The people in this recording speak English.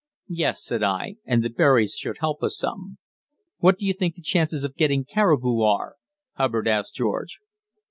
"Yes," said I; "and the berries should help us some." "What do you think the chances of getting caribou are?" Hubbard asked George.